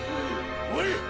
・おい！